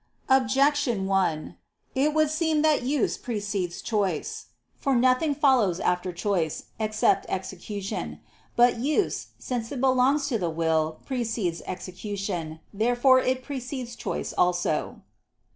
Objection 1: It would seem that use precedes choice. For nothing follows after choice, except execution. But use, since it belongs to the will, precedes execution. Therefore it precedes choice also.